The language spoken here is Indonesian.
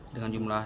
dengan jumlah dua